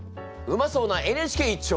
うまそうな「ＮＨＫ」一丁！